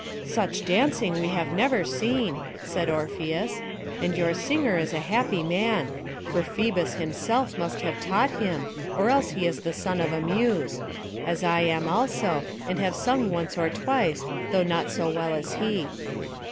"Such dancing we have never seen," said Orpheus; "and your singer is a happy man; for Phœbus himself must have taught him, or else he is the son of a Muse; as I am also, and have sung once or twice, though not so well as he."